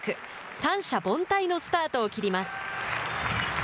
三者凡退のスタートを切ります。